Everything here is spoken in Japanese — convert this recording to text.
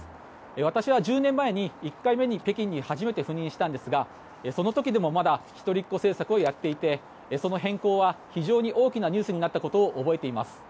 私は１０年前に１回目に北京に初めて赴任したんですがその時でもまだ一人っ子政策をやっていてその変更は非常に大きなニュースになったことを覚えています。